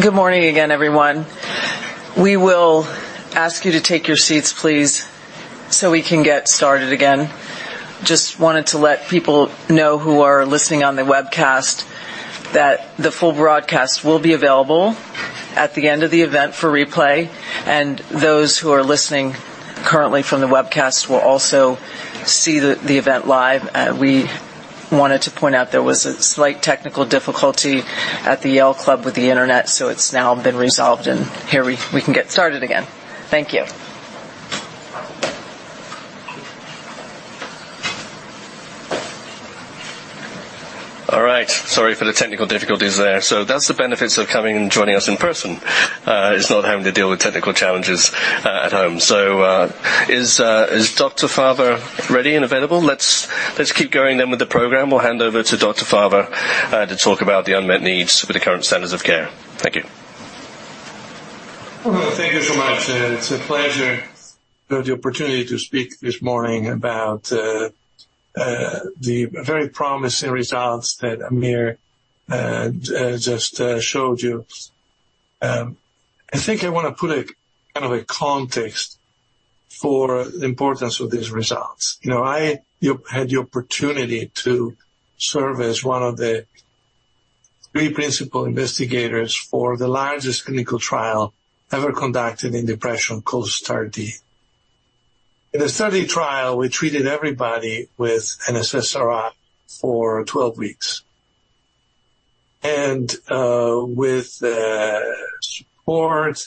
Good morning again, everyone. We will ask you to take your seats, please, so we can get started again. Just wanted to let people know who are listening on the webcast that the full broadcast will be available at the end of the event for replay. Those who are listening currently from the webcast will also see the event live. We wanted to point out there was a slight technical difficulty at the Yale Club with the internet, so it's now been resolved, and here we can get started again. Thank you. All right. Sorry for the technical difficulties there. So that's the benefits of coming and joining us in person, is not having to deal with technical challenges at home. So, is Dr. Fava ready and available? Let's keep going then with the program. We'll hand over to Dr. Fava to talk about the unmet needs for the current standards of care. Thank you. Thank you so much. It's a pleasure to have the opportunity to speak this morning about the very promising results that Amir just showed you. I think I want to put a kind of a context for the importance of these results. You know, I had the opportunity to serve as one of the three principal investigators for the largest clinical trial ever conducted in depression, called STAR*D. In the study trial, we treated everybody with an SSRI for 12 weeks. With support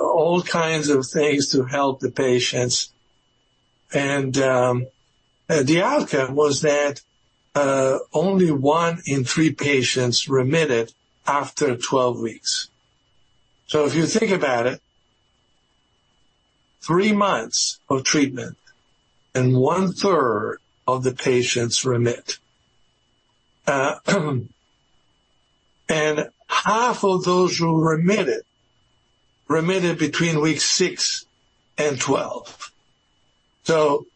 all kinds of things to help the patients. The outcome was that only one in three patients remitted after 12 weeks. So if you think about it, three months of treatment and one-third of the patients remit. And half of those who remitted, remitted between weeks six and 12. So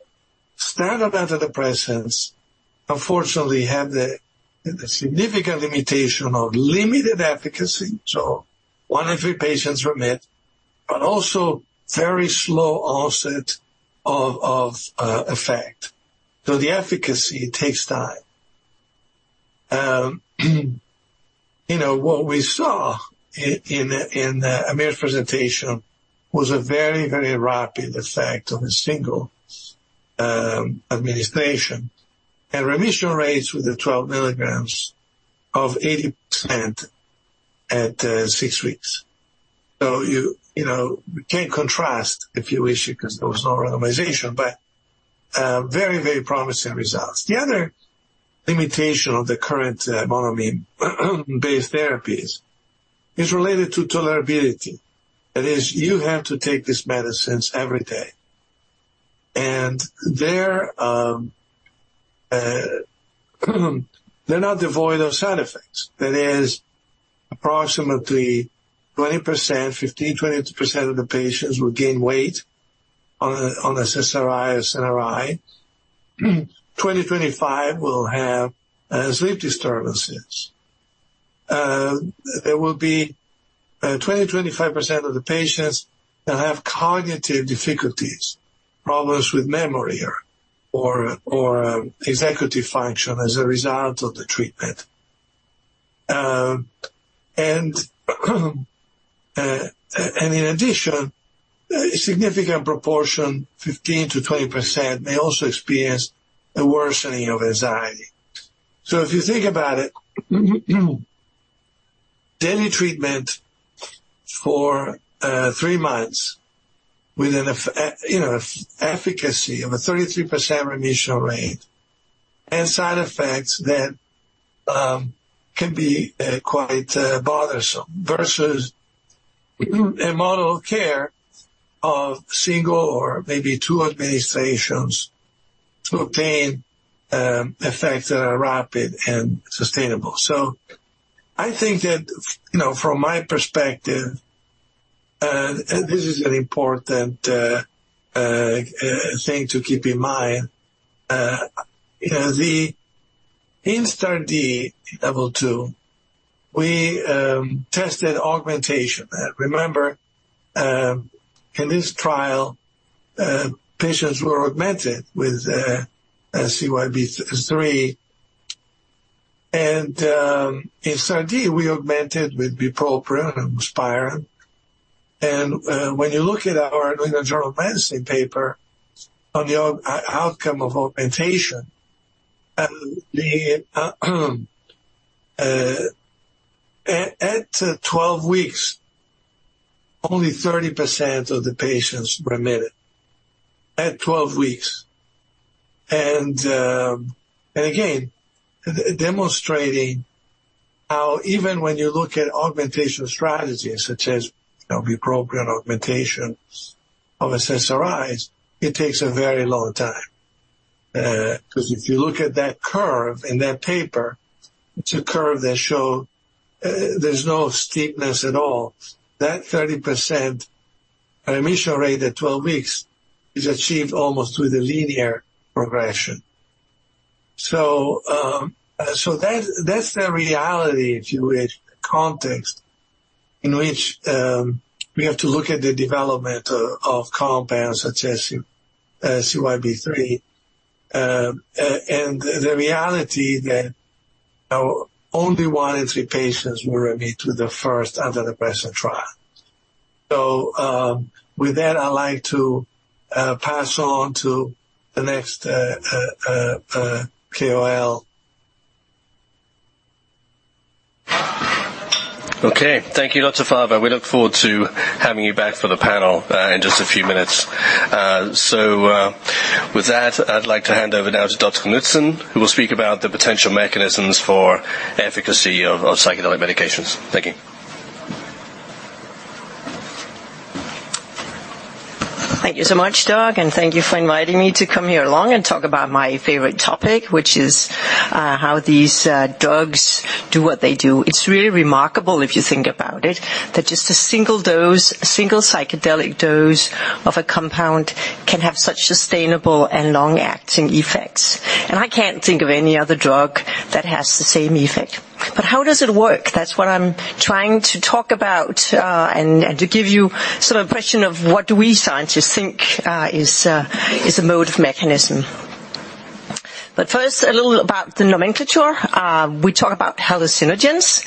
standard antidepressants, unfortunately, have the significant limitation of limited efficacy. So 1 in 3 patients remit, but also very slow onset of effect. So the efficacy takes time. You know, what we saw in Amir's presentation was a very, very rapid effect on a single administration and remission rates with the 12 mg of 80% at six weeks. So you know, can contrast, if you wish, because there was no randomization, but very, very promising results. The other limitation of the current monoamine based therapies is related to tolerability. That is, you have to take these medicines every day, and they're not devoid of side effects. That is, approximately 20%, 15%-20% of the patients will gain weight on SSRI, SNRI, 20%-25% will have sleep disturbances. There will be 20%-25% of the patients that have cognitive difficulties, problems with memory or executive function as a result of the treatment. In addition, a significant proportion, 15%-20%, may also experience a worsening of anxiety. So if you think about it, daily treatment for three months with you know, efficacy of a 33% remission rate and side effects that can be quite bothersome, versus a model of care of single or maybe two administrations to obtain effects that are rapid and sustainable. So I think that, you know, from my perspective, and this is an important thing to keep in mind. In STAR*D level two, we tested augmentation. Remember, in this trial, patients were augmented with CYB003, and in STAR*D, we augmented with bupropion and buspirone. And when you look at our Journal of Medicine paper on the outcome of augmentation, at 12 weeks, only 30% of the patients remitted. At 12 weeks. And again, demonstrating how even when you look at augmentation strategies such as, you know, bupropion augmentation of SSRIs, it takes a very long time. Because if you look at that curve in that paper, it's a curve that shows there's no steepness at all. That 30% remission rate at 12 weeks is achieved almost with a linear progression. So, that's the reality, if you wish, the context in which we have to look at the development of compounds such as CYB003. the reality that only one in three patients will remit with the first antidepressant trial. So, with that, I'd like to pass on to the next KOL. Okay, thank you, Dr. Fava. We look forward to having you back for the panel, in just a few minutes. So, with that, I'd like to hand over now to Dr. Knudsen, who will speak about the potential mechanisms for efficacy of psychedelic medications. Thank you. Thank you so much, Doug, and thank you for inviting me to come here along and talk about my favorite topic, which is how these drugs do what they do. It's really remarkable, if you think about it, that just a single dose, a single psychedelic dose of a compound can have such sustainable and long-acting effects. And I can't think of any other drug that has the same effect. But how does it work? That's what I'm trying to talk about, and to give you some impression of what we scientists think is a mode of mechanism. But first, a little about the nomenclature. We talk about hallucinogens,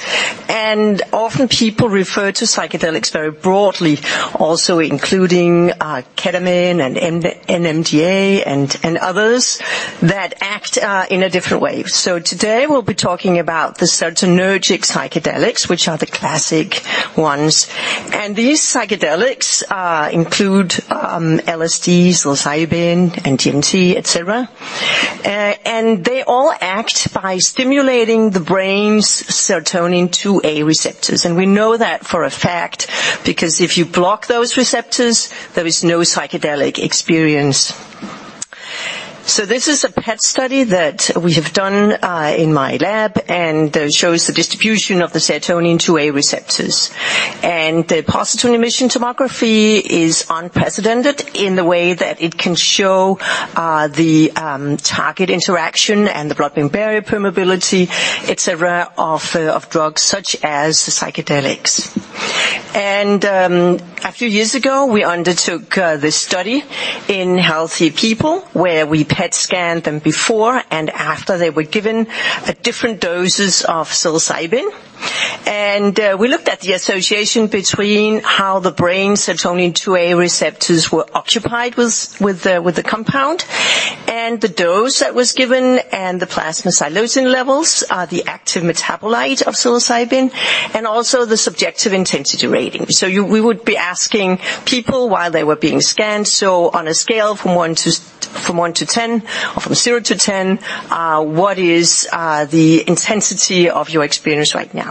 and often people refer to psychedelics very broadly, also including ketamine and NMDA and others that act in a different way. So today, we'll be talking about the serotonergic psychedelics, which are the classic ones. And these psychedelics include LSD, psilocybin, DMT, et cetera. And they all act by stimulating the brain's serotonin 2A receptors. And we know that for a fact, because if you block those receptors, there is no psychedelic experience. So this is a PET study that we have done in my lab, and it shows the distribution of the serotonin 2A receptors. And the positron emission tomography is unprecedented in the way that it can show the target interaction and the blood-brain barrier permeability, et cetera, of drugs such as the psychedelics. And a few years ago, we undertook this study in healthy people, where we PET scanned them before and after they were given different doses of psilocybin. We looked at the association between how the brain's serotonin 2A receptors were occupied with the compound, and the dose that was given, and the plasma psilocin levels, the active metabolite of psilocybin, and also the subjective intensity rating. So we would be asking people while they were being scanned. So on a scale from 1 to 10, or from 0 to 10, what is the intensity of your experience right now?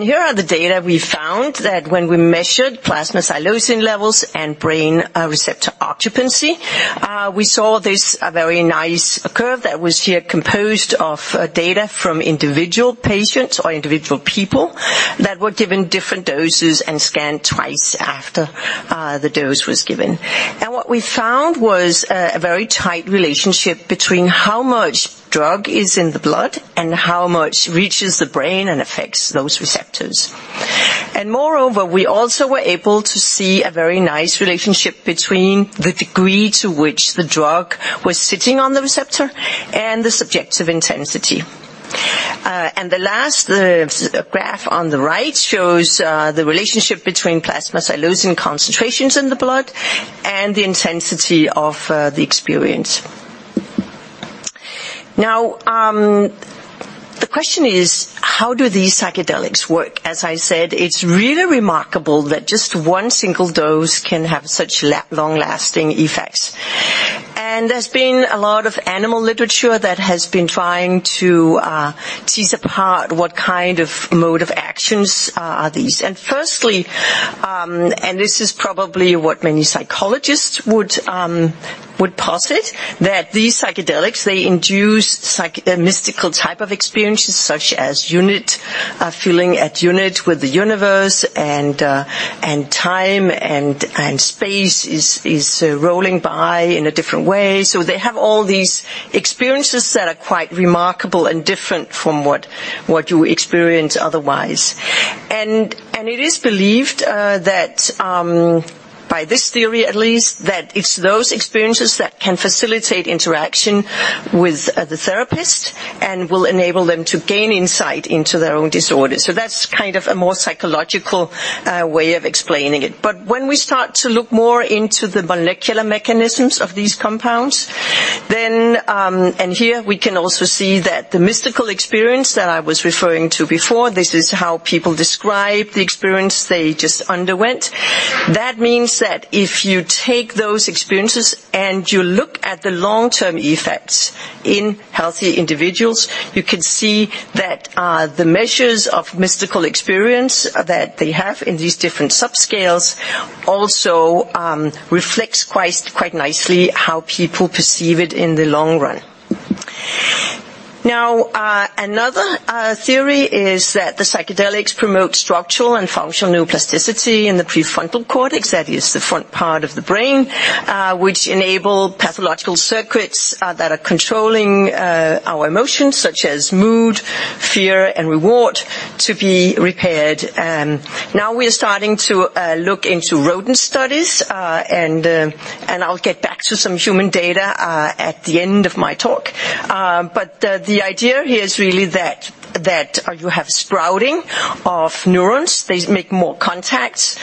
Here are the data. We found that when we measured plasma psilocin levels and brain receptor occupancy, we saw this, a very nice curve that was here composed of data from individual patients or individual people that were given different doses and scanned twice after the dose was given. What we found was a very tight relationship between how much drug is in the blood and how much reaches the brain and affects those receptors. And moreover, we also were able to see a very nice relationship between the degree to which the drug was sitting on the receptor and the subjective intensity. And the last graph on the right shows the relationship between plasma psilocin concentrations in the blood and the intensity of the experience. Now, the question is, how do these psychedelics work? As I said, it's really remarkable that just one single dose can have such long-lasting effects. And there's been a lot of animal literature that has been trying to tease apart what kind of mode of actions are these. First, this is probably what many psychologists would posit, that these psychedelics induce mystical type of experiences, such as unity, feeling at unity with the universe, and time and space is rolling by in a different way. So they have all these experiences that are quite remarkable and different from what you experience otherwise. It is believed, by this theory at least, that it's those experiences that can facilitate interaction with the therapist and will enable them to gain insight into their own disorder. So that's kind of a more psychological way of explaining it. But when we start to look more into the molecular mechanisms of these compounds, then here we can also see that the mystical experience that I was referring to before, this is how people describe the experience they just underwent. That means that if you take those experiences and you look at the long-term effects in healthy individuals, you can see that, the measures of mystical experience that they have in these different subscales also, reflects quite, quite nicely how people perceive it in the long run. Now, another theory is that the psychedelics promote structural and functional neuroplasticity in the prefrontal cortex. That is the front part of the brain, which enable pathological circuits, that are controlling, our emotions, such as mood, fear, and reward, to be repaired. Now we are starting to look into rodent studies, and I'll get back to some human data at the end of my talk. But the idea here is really that you have sprouting of neurons. They make more contacts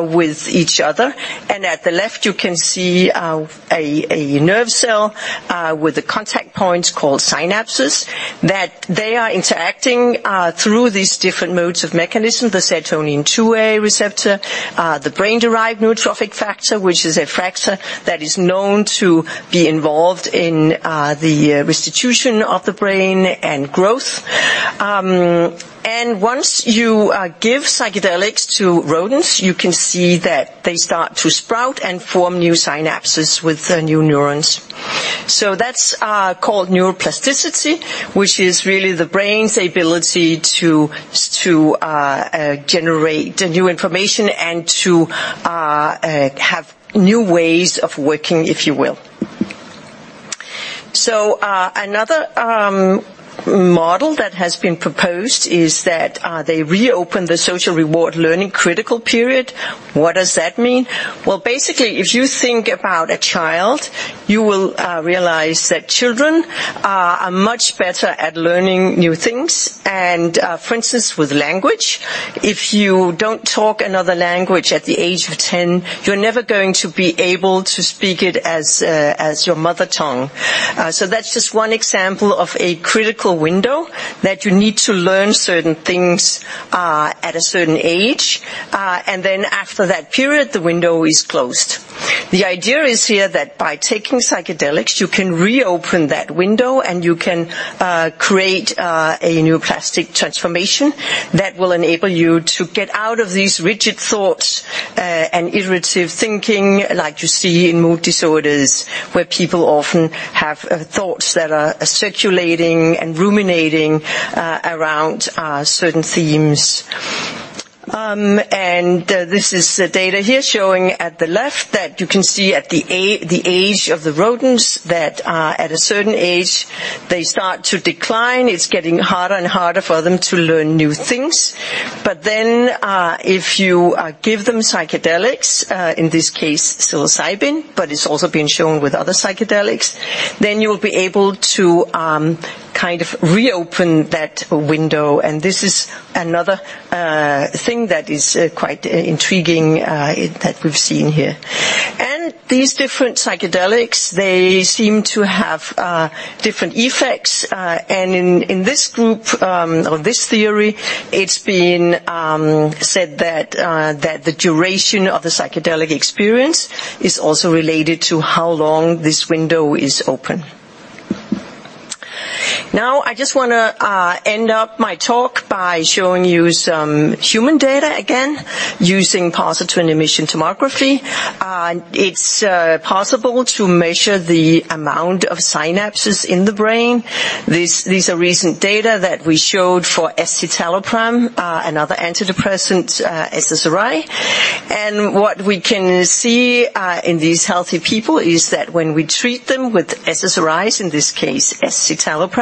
with each other, and at the left, you can see a nerve cell with the contact points called synapses, that they are interacting through these different modes of mechanism. The serotonin 2A receptor, the brain-derived neurotrophic factor, which is a factor that is known to be involved in the restitution of the brain and growth. And once you give psychedelics to rodents, you can see that they start to sprout and form new synapses with new neurons. So that's called neuroplasticity, which is really the brain's ability to generate new information and to have new ways of working, if you will. So, another model that has been proposed is that they reopen the social reward learning critical period. What does that mean? Well, basically, if you think about a child, you will realize that children are much better at learning new things, and, for instance, with language, if you don't talk another language at the age of 10, you're never going to be able to speak it as your mother tongue. So that's just one example of a critical window, that you need to learn certain things at a certain age, and then after that period, the window is closed. The idea is here, that by taking psychedelics, you can reopen that window, and you can create a neuroplastic transformation that will enable you to get out of these rigid thoughts and iterative thinking like you see in mood disorders, where people often have thoughts that are circulating and ruminating around certain themes. And this is the data here, showing at the left, that you can see at the age of the rodents, that at a certain age, they start to decline. It's getting harder and harder for them to learn new things. But then, if you give them psychedelics, in this case, psilocybin, but it's also been shown with other psychedelics, then you'll be able to kind of reopen that window, and this is another thing that is quite intriguing that we've seen here. And these different psychedelics, they seem to have different effects, and in this group, or this theory, it's been said that that the duration of the psychedelic experience is also related to how long this window is open. Now, I just wanna end up my talk by showing you some human data again, using positron emission tomography. It's possible to measure the amount of synapses in the brain. These are recent data that we showed for escitalopram, another antidepressant, SSRI. And what we can see in these healthy people is that when we treat them with SSRIs, in this case, escitalopram,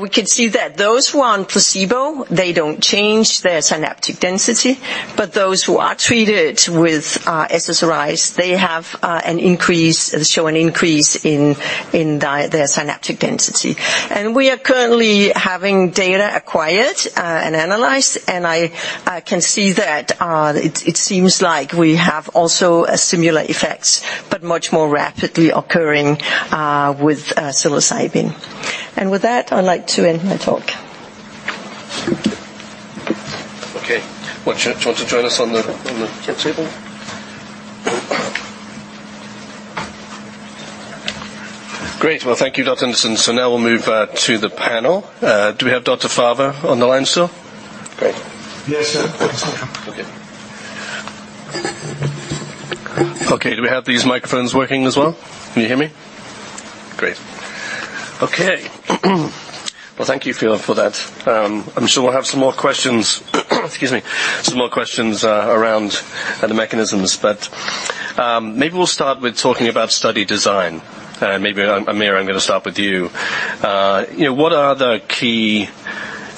we can see that those who are on placebo, they don't change their synaptic density, but those who are treated with SSRIs, they have an increase, show an increase in their synaptic density. And we are currently having data acquired and analyzed, and I can see that it seems like we have also similar effects, but much more rapidly occurring with psilocybin. And with that, I'd like to end my talk. Okay. Well, do you want to join us on the table? Great. Well, thank you, Dr. Knudsen. So now we'll move to the panel. Do we have Dr. Fava on the line still? Great. Yes, sir. Okay. Okay, do we have these microphones working as well? Can you hear me? Great. Okay. Well, thank you for that. I'm sure we'll have some more questions around the mechanisms, but maybe we'll start with talking about study design. Maybe, Amir, I'm gonna start with you. You know, what are the key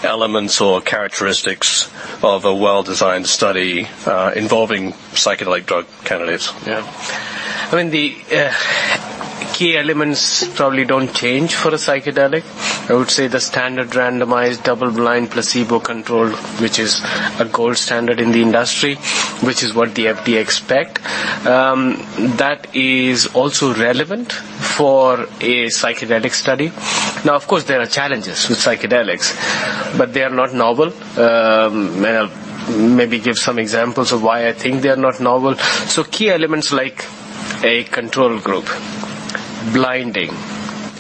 elements or characteristics of a well-designed study involving psychedelic drug candidates? Yeah. I mean, the key elements probably don't change for a psychedelic. I would say the standard randomized double-blind placebo-controlled, which is a gold standard in the industry, which is what the FDA expect. That is also relevant for a psychedelic study. Now, of course, there are challenges with psychedelics, but they are not novel. Maybe give some examples of why I think they are not novel. So key elements like a control group, blinding,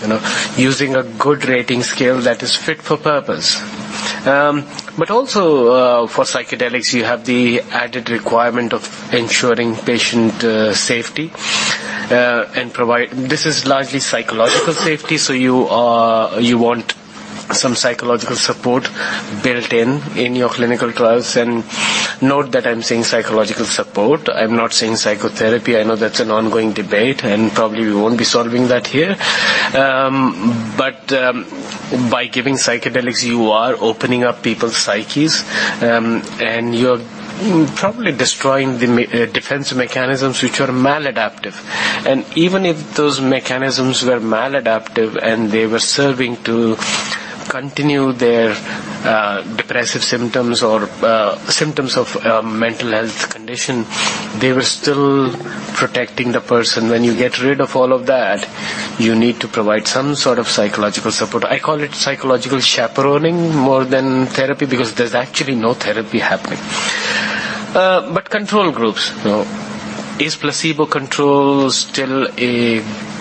you know, using a good rating scale that is fit for purpose. But also, for psychedelics, you have the added requirement of ensuring patient safety. This is largely psychological safety, so you want some psychological support built in in your clinical trials. And note that I'm saying psychological support. I'm not saying psychotherapy. I know that's an ongoing debate, and probably we won't be solving that here. But by giving psychedelics, you are opening up people's psyches, and you're probably destroying defense mechanisms which are maladaptive. And even if those mechanisms were maladaptive, and they were serving to continue their, depressive symptoms or, symptoms of, mental health condition, they were still protecting the person. When you get rid of all of that, you need to provide some sort of psychological support. I call it psychological chaperoning more than therapy because there's actually no therapy happening. But control groups. Now, is placebo control still a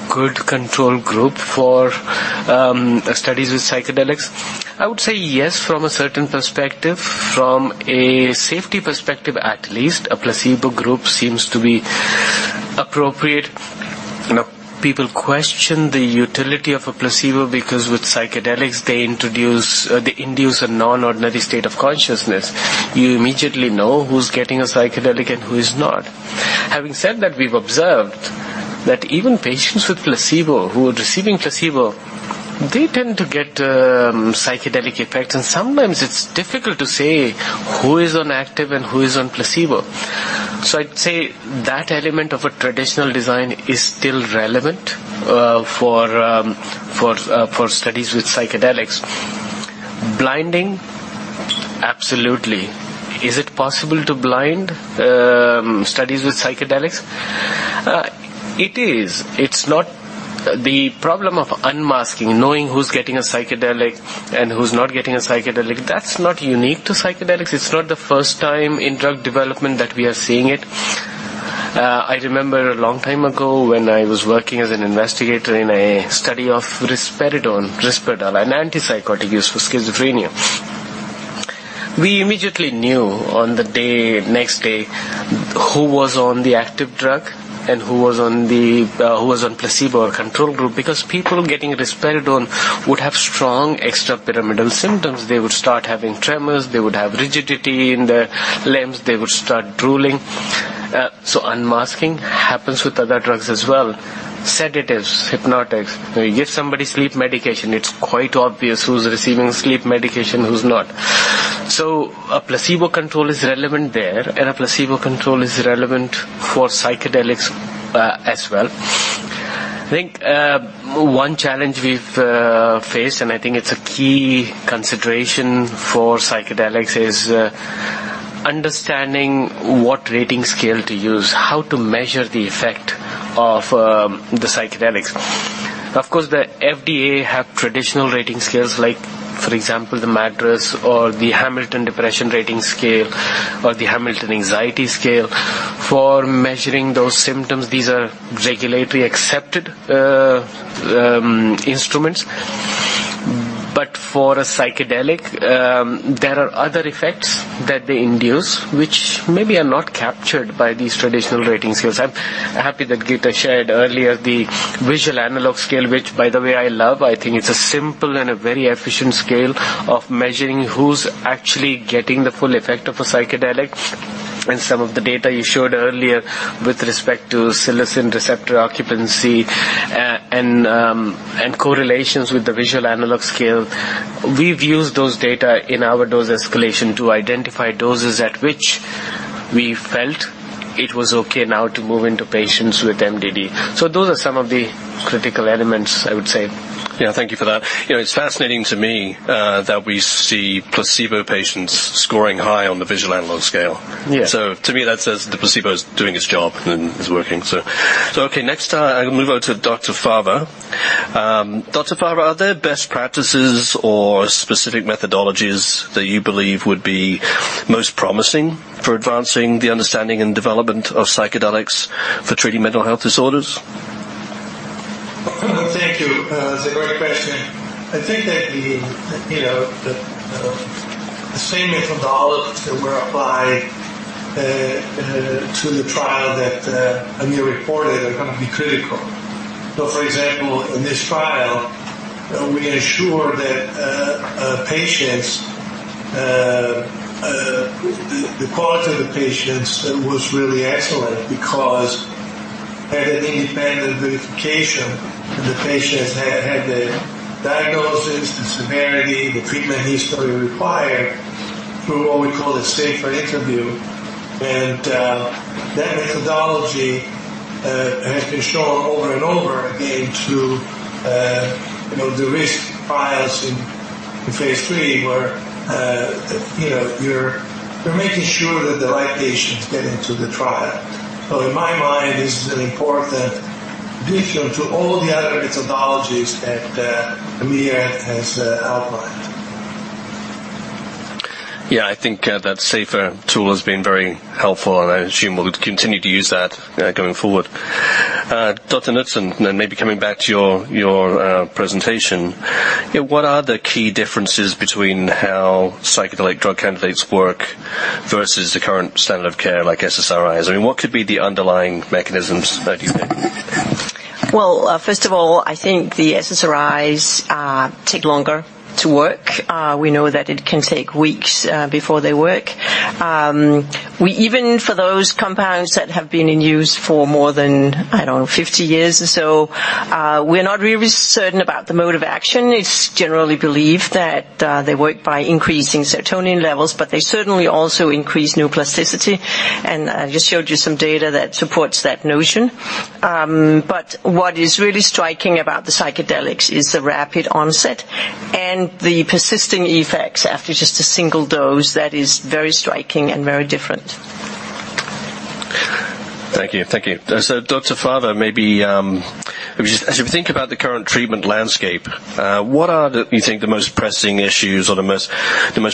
good control group for studies with psychedelics? I would say yes, from a certain perspective. From a safety perspective, at least, a placebo group seems to be appropriate. You know, people question the utility of a placebo because with psychedelics, they introduce, they induce a non-ordinary state of consciousness. You immediately know who's getting a psychedelic and who is not. Having said that, we've observed that even patients with placebo, who are receiving placebo, they tend to get psychedelic effects, and sometimes it's difficult to say who is on active and who is on placebo. So I'd say that element of a traditional design is still relevant for studies with psychedelics. Blinding? Absolutely. Is it possible to blind studies with psychedelics? It is. It's not the problem of unmasking, knowing who's getting a psychedelic and who's not getting a psychedelic. That's not unique to psychedelics. It's not the first time in drug development that we are seeing it. I remember a long time ago, when I was working as an investigator in a study of risperidone, Risperdal, an antipsychotic used for schizophrenia. We immediately knew on the day, next day, who was on the active drug and who was on placebo or control group, because people getting risperidone would have strong extrapyramidal symptoms. They would start having tremors. They would have rigidity in their limbs. They would start drooling. So unmasking happens with other drugs as well. Sedatives, hypnotics. When you give somebody sleep medication, it's quite obvious who's receiving sleep medication, who's not. So a placebo control is relevant there, and a placebo control is relevant for psychedelics as well. I think one challenge we've faced, and I think it's a key consideration for psychedelics, is understanding what rating scale to use, how to measure the effect of the psychedelics. Of course, the FDA have traditional rating scales, like, for example, the MADRS or the Hamilton Depression Rating Scale or the Hamilton Anxiety Scale, for measuring those symptoms. These are regulatory accepted instruments. But for a psychedelic, there are other effects that they induce, which maybe are not captured by these traditional rating scales. I'm happy that Gitte shared earlier the visual analog scale, which, by the way, I love. I think it's a simple and a very efficient scale of measuring who's actually getting the full effect of a psychedelic, and some of the data you showed earlier with respect to serotonin receptor occupancy, and correlations with the visual analog scale. We've used those data in our dose escalation to identify doses at which we felt it was okay now to move into patients with MDD. So those are some of the critical elements, I would say. Yeah, thank you for that. You know, it's fascinating to me that we see placebo patients scoring high on the visual analog scale. Yeah. So to me, that says the placebo is doing its job and is working. So okay, next, I'll move over to Dr. Fava. Dr. Fava, are there best practices or specific methodologies that you believe would be most promising for advancing the understanding and development of psychedelics for treating mental health disorders? Thank you. It's a great question. I think that the, you know, the same methodologies that were applied to the trial that Amir reported are gonna be critical. So, for example, in this trial, we ensure that the quality of the patients was really excellent because had an independent verification, the patients had the diagnosis, the severity, the treatment history required through what we call a SAFER interview. And that methodology has been shown over and over again to, you know, de-risk trials in phase III, where, you know, you're making sure that the right patients get into the trial. So in my mind, this is an important addition to all of the other methodologies that Amir has outlined. Yeah, I think that SAFER tool has been very helpful, and I assume we'll continue to use that going forward. Dr. Knudsen, then maybe coming back to your presentation. Yeah, what are the key differences between how psychedelic drug candidates work versus the current standard of care, like SSRIs? I mean, what could be the underlying mechanisms, do you think? Well, first of all, I think the SSRIs take longer to work. We know that it can take weeks before they work. Even for those compounds that have been in use for more than, I don't know, 50 years or so, we're not really certain about the mode of action. It's generally believed that they work by increasing serotonin levels, but they certainly also increase neuroplasticity, and I just showed you some data that supports that notion. But what is really striking about the psychedelics is the rapid onset and the persisting effects after just a single dose. That is very striking and very different. Thank you. Thank you. So, Dr. Fava, maybe as you think about the current treatment landscape, what do you think are the most pressing issues or the most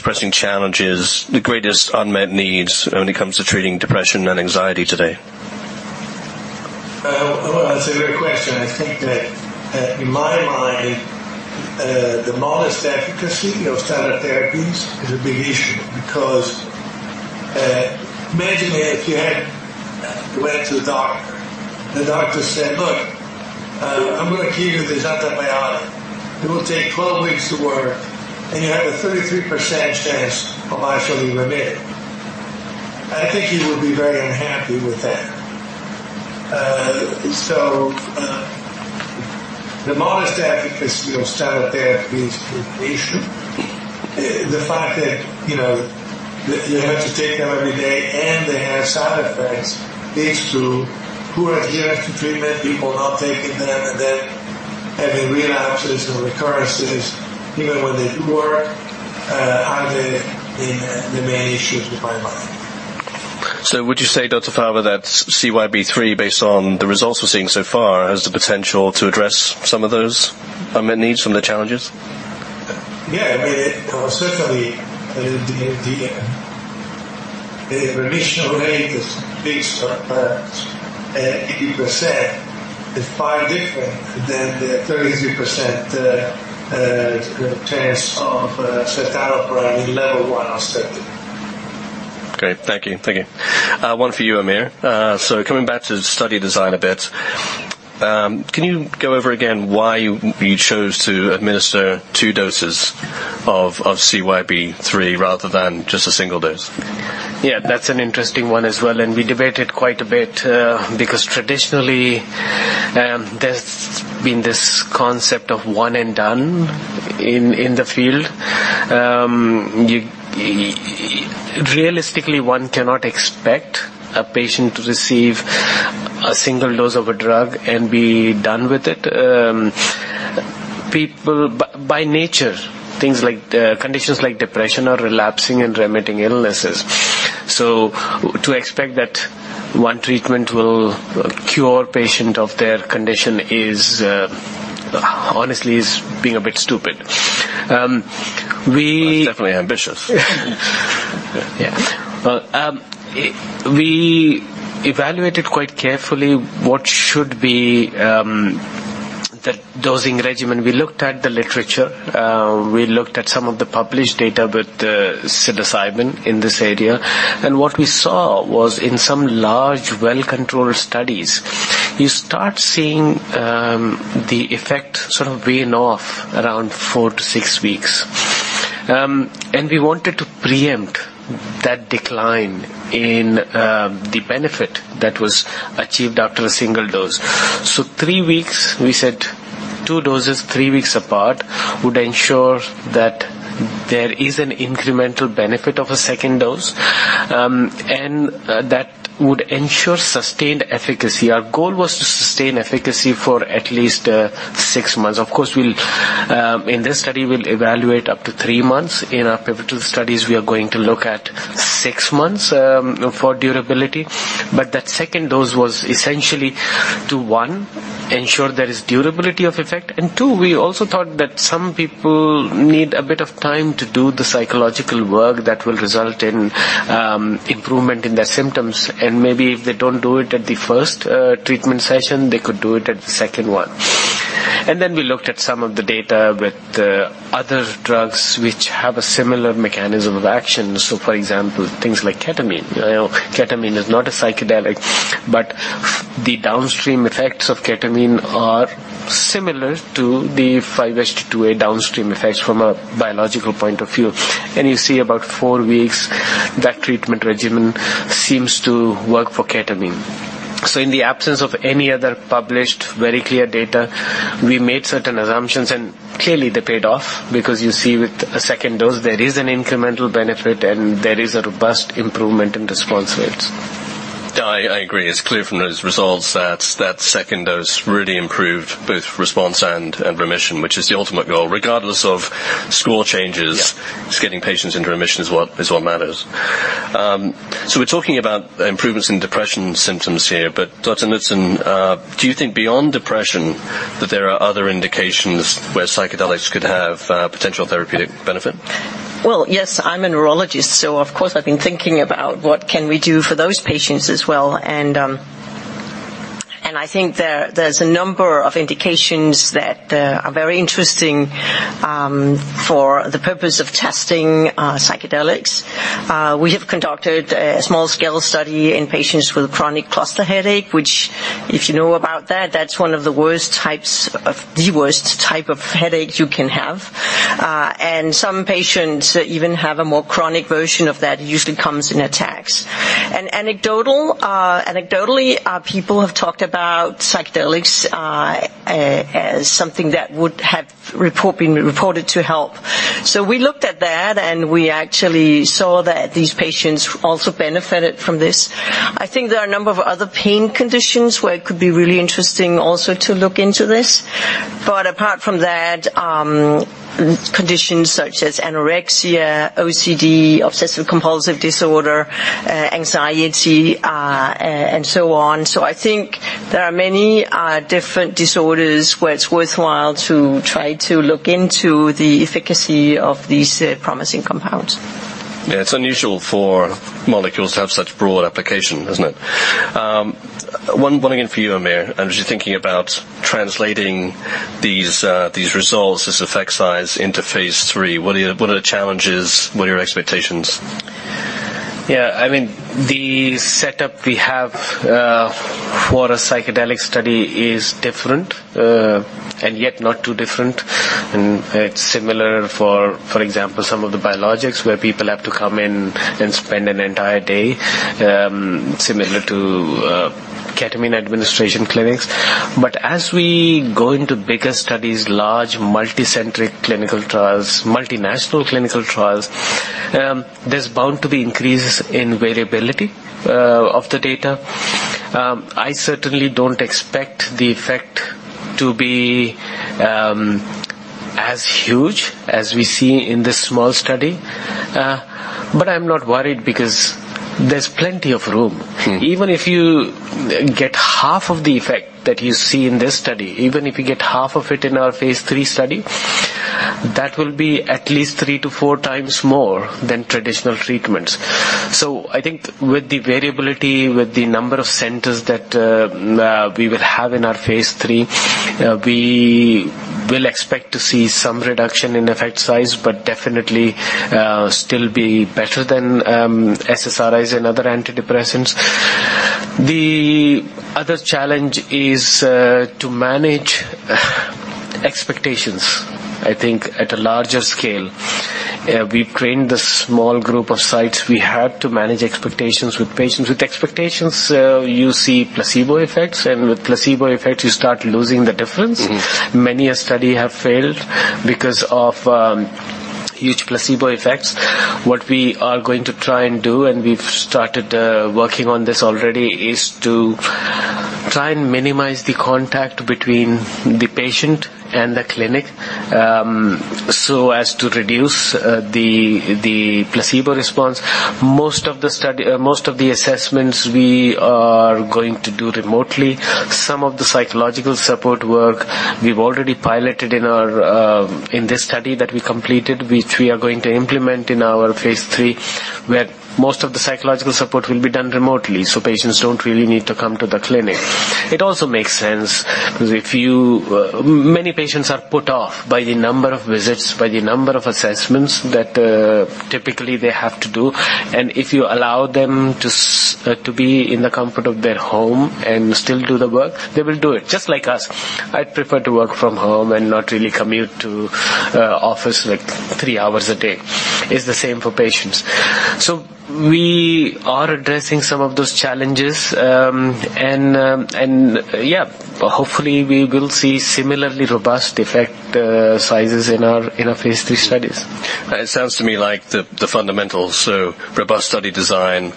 pressing challenges, the greatest unmet needs when it comes to treating depression and anxiety today? Well, that's a great question. I think that, in my mind, the modest efficacy of standard therapies is a big issue because, imagine if you went to the doctor, and the doctor said, look, I'm going to give you this antibiotic. It will take 12 weeks to work, and you have a 33% chance of actually remitting. I think you would be very unhappy with that. So, the modest efficacy of standard therapies is an issue. The fact that, you know, you have to take them every day, and they have side effects, leads to poor adherence to treatment, people not taking them, and then having relapses or recurrences, even when they do work, are the main issues in my mind. So would you say, Dr. Fava, that CYB003, based on the results we're seeing so far, has the potential to address some of those unmet needs, some of the challenges? Yeah, I mean, certainly, the remission rate is at least at 80% is far different than the 33% chance of sertraline in level one onset. Great. Thank you. Thank you. One for you, Amir. So coming back to study design a bit, can you go over again why you chose to administer two doses of CYB003 rather than just a single dose? Yeah, that's an interesting one as well, and we debated quite a bit, because traditionally, there's been this concept of one and done in the field. Realistically, one cannot expect a patient to receive a single dose of a drug and be done with it. By nature, things like conditions like depression are relapsing and remitting illnesses. So to expect that one treatment will cure a patient of their condition is honestly being a bit stupid. That's definitely ambitious. Yeah. Well, we evaluated quite carefully what should be, the dosing regimen. We looked at the literature, we looked at some of the published data with, psilocybin in this area, and what we saw was in some large, well-controlled studies, you start seeing, the effect sort of wean off around four to six weeks. And we wanted to preempt that decline in, the benefit that was achieved after a single dose. So three weeks, we said two doses, three weeks apart, would ensure that there is an incremental benefit of a second dose, and that would ensure sustained efficacy. Our goal was to sustain efficacy for at least six months. Of course, we'll, in this study, we'll evaluate up to three months. In our pivotal studies, we are going to look at six months for durability. But that second dose was essentially to, one, ensure there is durability of effect, and two, we also thought that some people need a bit of time to do the psychological work that will result in improvement in their symptoms. And maybe if they don't do it at the first treatment session, they could do it at the second one. And then we looked at some of the data with other drugs which have a similar mechanism of action. So, for example, things like ketamine. You know, ketamine is not a psychedelic, but the downstream effects of ketamine are similar to the 5-HT2A downstream effects from a biological point of view. And you see about four weeks, that treatment regimen seems to work for ketamine. So in the absence of any other published, very clear data, we made certain assumptions, and clearly, they paid off. Because you see with a second dose, there is an incremental benefit, and there is a robust improvement in response rates. I agree. It's clear from those results that the second dose really improved both response and remission, which is the ultimate goal. Regardless of score changes. Just getting patients into remission is what matters. So we're talking about improvements in depression symptoms here, but Dr. Knudsen, do you think beyond depression that there are other indications where psychedelics could have potential therapeutic benefit? Well, yes, I'm a neurologist, so of course, I've been thinking about what can we do for those patients as well. I think there's a number of indications that are very interesting for the purpose of testing psychedelics. We have conducted a small scale study in patients with chronic cluster headache, which, if you know about that, that's the worst type of headache you can have. And some patients even have a more chronic version of that, usually comes in attacks. Anecdotally, people have talked about psychedelics as something that would have been reported to help. So we looked at that, and we actually saw that these patients also benefited from this. I think there are a number of other pain conditions where it could be really interesting also to look into this. But apart from that, conditions such as anorexia, OCD, obsessive compulsive disorder, anxiety, and so on. So I think there are many different disorders where it's worthwhile to try to look into the efficacy of these promising compounds. Yeah, it's unusual for molecules to have such broad application, isn't it? One again for you, Amir. As you're thinking about translating these results, this effect size into phase III, what are the challenges? What are your expectations? Yeah, I mean, the setup we have for a psychedelic study is different, and yet not too different. And it's similar, for example, some of the biologics, where people have to come in and spend an entire day, similar to ketamine administration clinics. But as we go into bigger studies, large multicentric clinical trials, multinational clinical trials, there's bound to be increases in variability of the data. I certainly don't expect the effect to be as huge as we see in this small study. But I'm not worried because there's plenty of room. Even if you get half of the effect that you see in this study, even if you get half of it in our phase III study, that will be at least 3x-4x more than traditional treatments. So I think with the variability, with the number of centers that, we will have in our phase III, we will expect to see some reduction in effect size, but definitely, still be better than, SSRIs and other antidepressants. The other challenge is to manage expectations, I think, at a larger scale. We've trained the small group of sites. We had to manage expectations with patients. With expectations, you see placebo effects, and with placebo effects, you start losing the difference. Many a study have failed because of huge placebo effects. What we are going to try and do, and we've started working on this already, is to try and minimize the contact between the patient and the clinic so as to reduce the placebo response. Most of the assessments we are going to do remotely. Some of the psychological support work we've already piloted in this study that we completed, which we are going to implement in our phase III, where most of the psychological support will be done remotely, so patients don't really need to come to the clinic. It also makes sense because many patients are put off by the number of visits, by the number of assessments that typically they have to do, and if you allow them to be in the comfort of their home and still do the work, they will do it, just like us. I'd prefer to work from home and not really commute to office, like, three hours a day. It's the same for patients. So we are addressing some of those challenges, and yeah, hopefully, we will see similarly robust effect sizes in our phase III studies. It sounds to me like the fundamentals, so robust study design,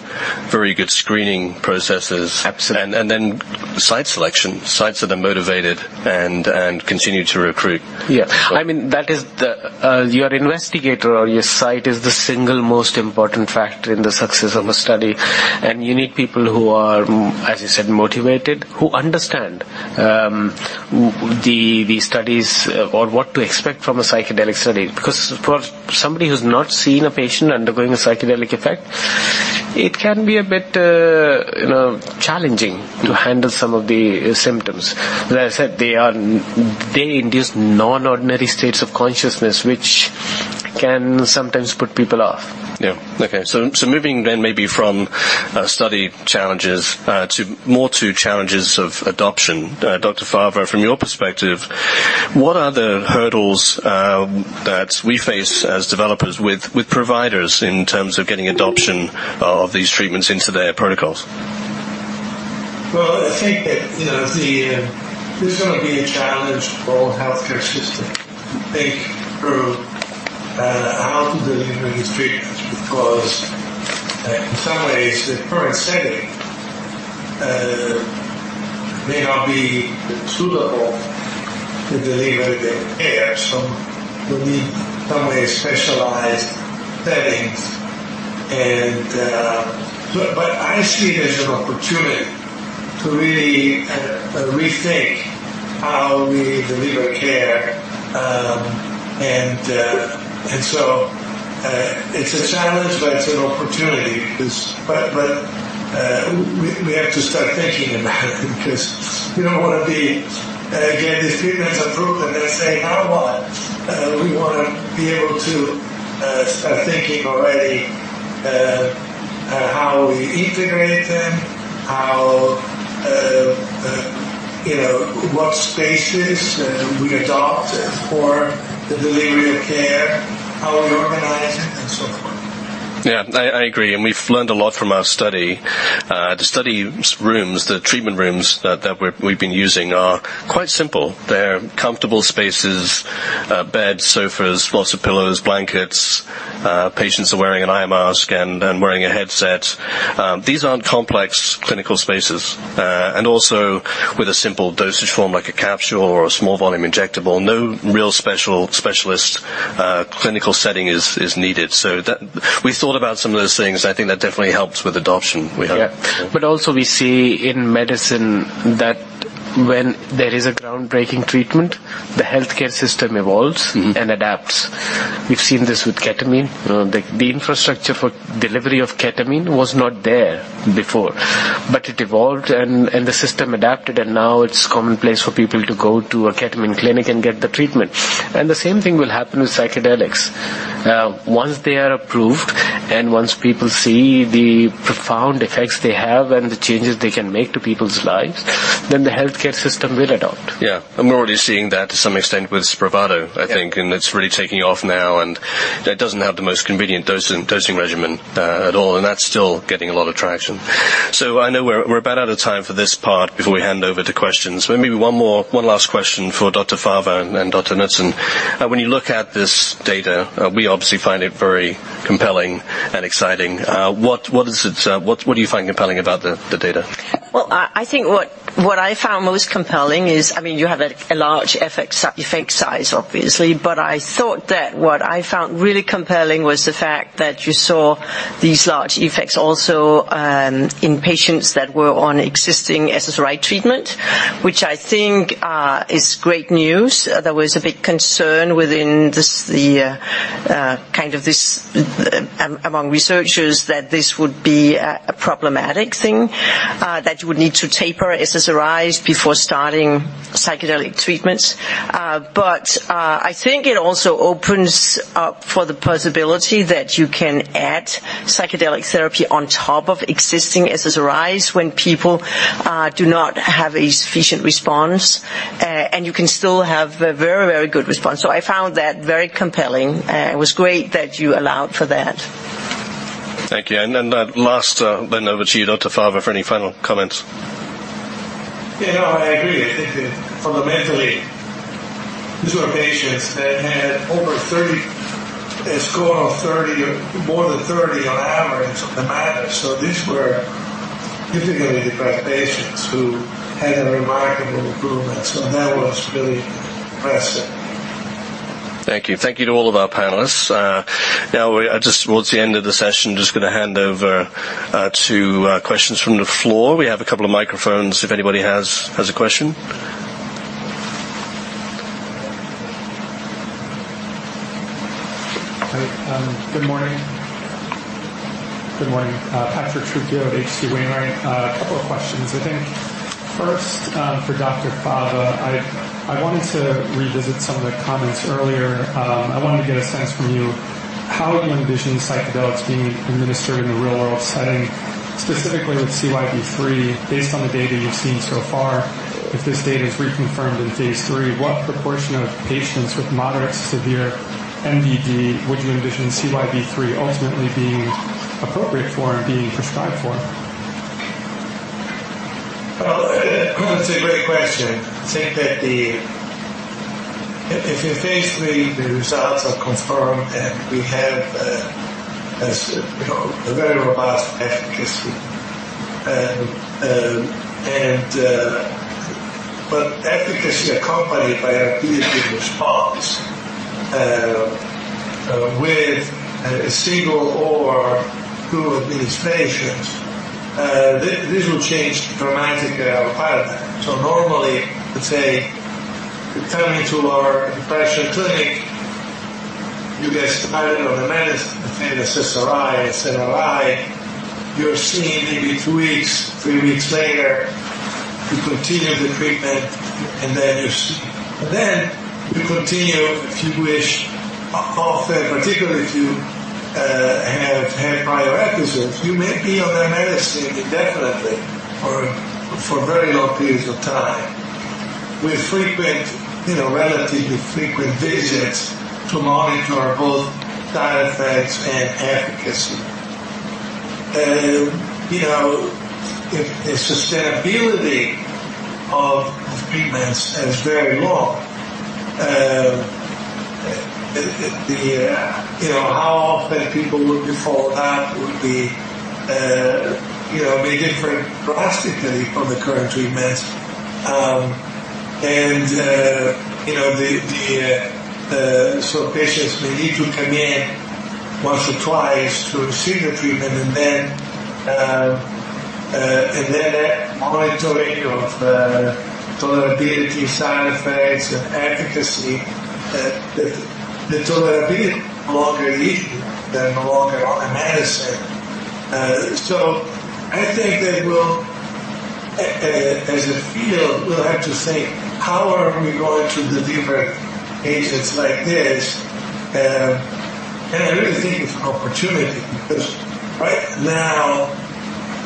very good screening processes. Absolutely. And then site selection, sites that are motivated and continue to recruit. Yeah. I mean, that is the, your investigator or your site is the single most important factor in the success of a study. And you need people who are, as you said, motivated, who understand the studies or what to expect from a psychedelic study, because for somebody who's not seen a patient undergoing a psychedelic effect, it can be a bit, you know, challenging to handle some of the symptoms. Like I said, they induce non-ordinary states of consciousness, which can sometimes put people off. Yeah. Okay. So moving then maybe from study challenges to more to challenges of adoption. Dr. Fava, from your perspective, what are the hurdles that we face as developers with providers in terms of getting adoption of these treatments into their protocols? Well, I think that, you know, there's gonna be a challenge for the healthcare system, I think, through how to deliver these treatments, because in some ways, the current setting may not be suitable to deliver the care. So there'll be some very specialized settings. But, but I see it as an opportunity to really rethink how we deliver care. And so, it's a challenge, but it's an opportunity but we have to start thinking about it because we don't want to be, again, these treatments approved, and then say, now what? We want to be able to start thinking already how we integrate them, you know, what spaces do we adopt for the delivery of care, how we organize it, and so forth. Yeah, I agree, and we've learned a lot from our study. The study rooms, the treatment rooms that we've been using are quite simple. They're comfortable spaces, beds, sofas, lots of pillows, blankets. Patients are wearing an eye mask and wearing a headset. These aren't complex clinical spaces, and also with a simple dosage form, like a capsule or a small volume injectable, no real special specialist clinical setting is needed. So we thought about some of those things. I think that definitely helps with adoption we have. Yeah. But also, we see in medicine that when there is a groundbreaking treatment, the healthcare system evolves and adapts. We've seen this with ketamine. The infrastructure for delivery of ketamine was not there before, but it evolved, and the system adapted, and now it's commonplace for people to go to a ketamine clinic and get the treatment. And the same thing will happen with psychedelics. Once they are approved, and once people see the profound effects they have and the changes they can make to people's lives, then the healthcare system will adapt. Yeah. We're already seeing that to some extent with Spravato, I think. It's really taking off now, and that doesn't have the most convenient dosing regimen at all, and that's still getting a lot of traction. So I know we're about out of time for this part before we hand over to questions. Maybe one last question for Dr. Fava and then Dr. Knudsen. When you look at this data, we obviously find it very compelling and exciting. What is it, what do you find compelling about the data? Well, I think what I found most compelling is, I mean, you have a large effect size, obviously. But I thought that what I found really compelling was the fact that you saw these large effects also in patients that were on existing SSRI treatment, which I think is great news. There was a big concern within this, the kind of this, among researchers, that this would be a problematic thing that you would need to taper SSRIs before starting psychedelic treatments. But I think it also opens up for the possibility that you can add psychedelic therapy on top of existing SSRIs when people do not have a sufficient response, and you can still have a very, very good response. I found that very compelling. It was great that you allowed for that. Thank you. And then the last, then over to you, Dr. Fava, for any final comments. Yeah, no, I agree. I think that fundamentally, these were patients that had over 30, a score of 30 or more than 30 on average on the MADRS. So these were significantly depressed patients who had a remarkable improvement, so that was really impressive. Thank you. Thank you to all of our panelists. Now, we are just towards the end of the session. Just going to hand over to questions from the floor. We have a couple of microphones if anybody has a question. Hi, good morning. Good morning. Patrick Trucchio, HC Wainwright. A couple of questions. I think first for Dr. Fava, I wanted to revisit some of the comments earlier. I wanted to get a sense from you, how you envision psychedelics being administered in the real-world setting, specifically with CYB003, based on the data you've seen so far. If this data is reconfirmed in phase III, what proportion of patients with moderate to severe MDD would you envision CYB003 ultimately being appropriate for and being prescribed for? Well, it's a great question. I think that if in phase III, the results are confirmed, and we have, as, you know, a very robust efficacy, and. But efficacy accompanied by an immediate response, with a single or two of these patients, this will change dramatically our paradigm. So normally, let's say you come into our depression clinic, you get started on the medicine, an SSRI, SNRI. You're seen maybe two weeks, three weeks later. You continue the treatment, and then you see. But then, you continue, if you wish, often, particularly if you have had prior episodes, you may be on that medicine indefinitely for very long periods of time, with, you know, relatively frequent visits to monitor both side effects and efficacy. You know, if the sustainability of treatments is very long, you know, how often people would default out would be, you know, may differ drastically from the current treatments. You know, so patients may need to come in once or twice through a single treatment, and then that monitoring of tolerability, side effects, and efficacy, the tolerability no longer need, they're no longer on a medicine. So I think that we'll, as a field, we'll have to think how are we going to deliver agents like this? And I really think it's an opportunity because right now,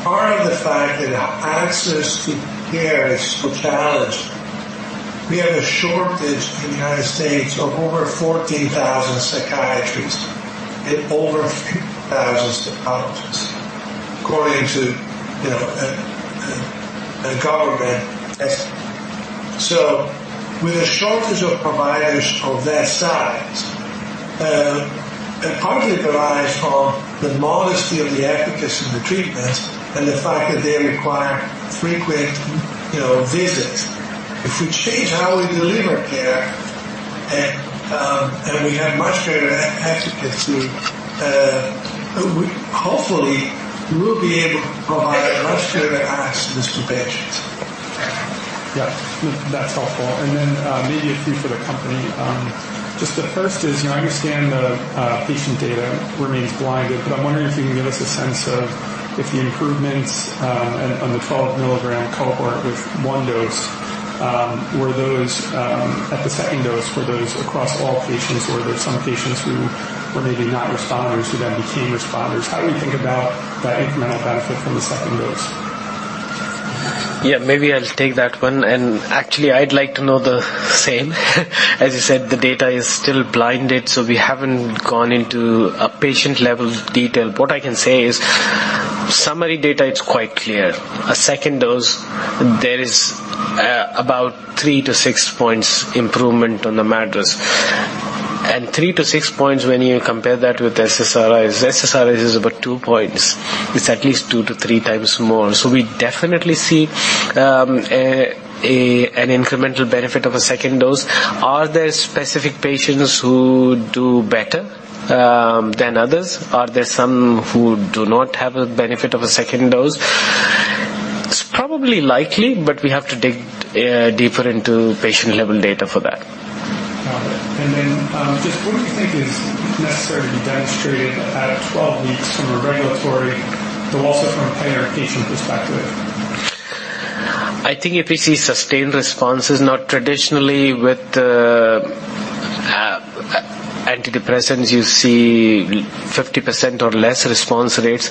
apart from the fact that access to care is still challenged, we have a shortage in the United States of over 14,000 psychiatrists and over thousands psychologists, according to, you know, the government. So with a shortage of providers of that size, and partly it derives from the modesty of the efficacy of the treatments and the fact that they require frequent, you know, visits. If we change how we deliver care and, and we have much greater efficacy, we hopefully will be able to provide much greater access to patients. Yeah, that's helpful. And then, maybe a few for the company. Just the first is, you know, I understand the patient data remains blinded, but I'm wondering if you can give us a sense of if the improvements on the 12 mg cohort with one dose were those at the second dose, were those across all patients, or were there some patients who were maybe not responders who then became responders? How do we think about that incremental benefit from the second dose? Yeah, maybe I'll take that one, and actually, I'd like to know the same. As you said, the data is still blinded, so we haven't gone into a patient-level detail. What I can say is summary data, it's quite clear. A second dose, there is about 3 points-6 points improvement on the MADRS. And 3 points-6 points, when you compare that with SSRIs, SSRIs is about 2 points. It's at least 2x-3x more. So we definitely see an incremental benefit of a second dose. Are there specific patients who do better than others? Are there some who do not have a benefit of a second dose? It's probably likely, but we have to dig deeper into patient-level data for that. Got it. And then, just what do you think is necessary to be demonstrated at 12 weeks from a regulatory but also from a payer and patient perspective? I think if we see sustained responses, not traditionally with the antidepressants, you see 50% or less response rates.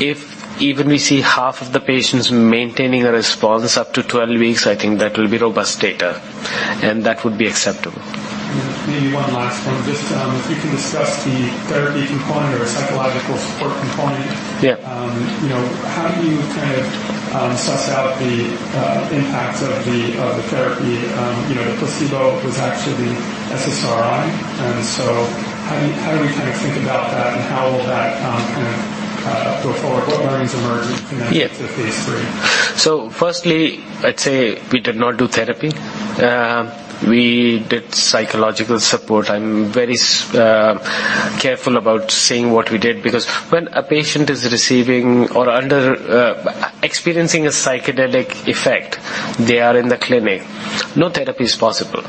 If even we see half of the patients maintaining a response up to 12 weeks, I think that will be robust data, and that would be acceptable. Maybe one last one. Just, if you can discuss the therapy component or psychological support component. Yeah. You know, how do you kind of suss out the impact of the therapy? You know, the placebo was actually the SSRI, and so how do we kinda think about that, and how will that kind of go forward? What learnings emerge in the phase III? So firstly, I'd say we did not do therapy. We did psychological support. I'm very careful about saying what we did because when a patient is receiving or under, experiencing a psychedelic effect, they are in the clinic. No therapy is possible.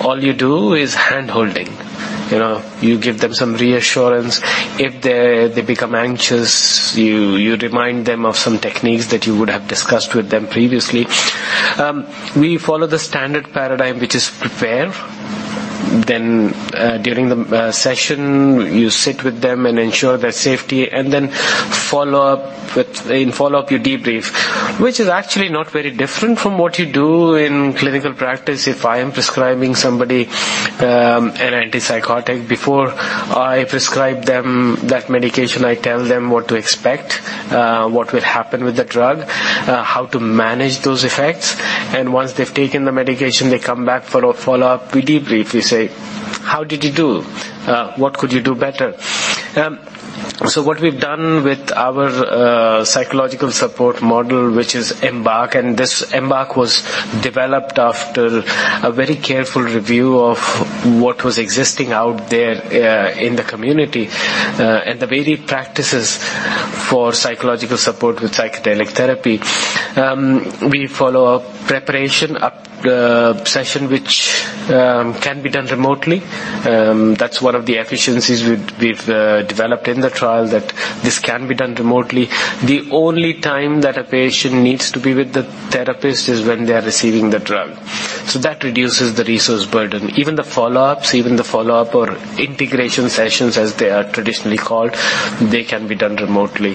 All you do is hand-holding. You know, you give them some reassurance. If they become anxious, you remind them of some techniques that you would have discussed with them previously. We follow the standard paradigm, which is prepare. Then, during the session, you sit with them and ensure their safety, and then follow up with, in follow-up, you debrief, which is actually not very different from what you do in clinical practice. If I am prescribing somebody an antipsychotic, before I prescribe them that medication, I tell them what to expect, what will happen with the drug, how to manage those effects, and once they've taken the medication, they come back for a follow-up. We debrief. We say, how did you do? What could you do better? So what we've done with our psychological support model, which is EMBARK, and this EMBARK was developed after a very careful review of what was existing out there in the community, and the varied practices for psychological support with psychedelic therapy. We follow a preparation up session, which can be done remotely. That's one of the efficiencies we've developed in the trial, that this can be done remotely. The only time that a patient needs to be with the therapist is when they are receiving the drug, so that reduces the resource burden. Even the follow-up or integration sessions, as they are traditionally called, they can be done remotely.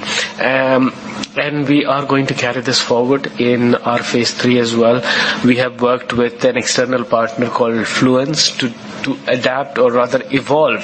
We are going to carry this forward in our phase III as well. We have worked with an external partner called Fluence to adapt or rather evolve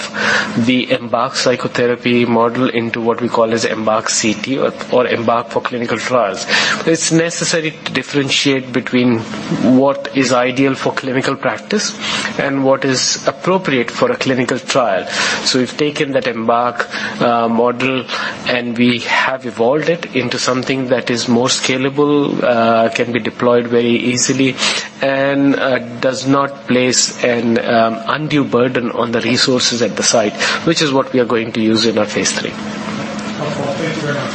the EMBARK psychotherapy model into what we call as EMBARK CT or EMBARK for Clinical Trials. It's necessary to differentiate between what is ideal for clinical practice and what is appropriate for a clinical trial. We've taken that EMBARK model, and we have evolved it into something that is more scalable, can be deployed very easily, and does not place an undue burden on the resources at the site, which is what we are going to use in our phase III. Wonderful. Thank you very much.